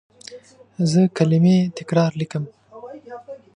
زه کلمې تکرار لیکم.